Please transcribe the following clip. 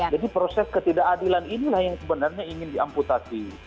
jadi proses ketidakadilan inilah yang sebenarnya ingin diamputasi